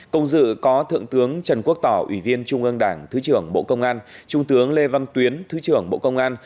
công dự có thượng tướng trần quốc tỏ ủy viên trung ương đảng thứ trưởng bộ công an trung tướng lê văn tuyến thứ trưởng bộ công an